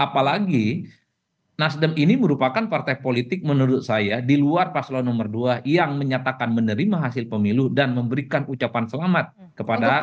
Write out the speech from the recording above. apalagi nasdem ini merupakan partai politik menurut saya di luar paslon nomor dua yang menyatakan menerima hasil pemilu dan memberikan ucapan selamat kepada